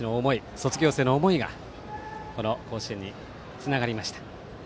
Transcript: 卒業生の思いがこの甲子園につながりました。